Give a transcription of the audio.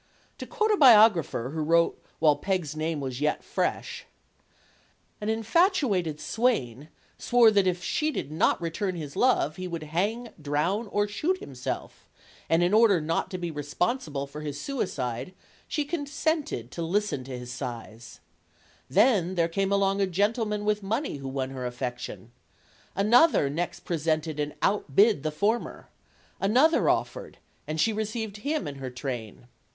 To quote a biographer who wrote while Peg's name was yet fresh: An infatuated swain swore that if she did not return his love, he would hang, drown, or shoot himself; and in order not to be responsible for his suicide, she consented to listen to his sighs. Then there came along a gentleman with money who won her affection. Another next presented and outbid the former. Another offered, and she received him in her train.